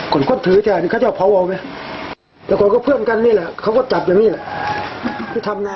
คนก็ถือแค่นี้เค้าจะเอาเผาออกไปแล้วก็เพื่อนกันนี่แหละเค้าก็จับอย่างนี้แหละ